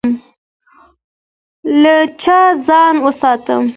له چا ځان وساتم؟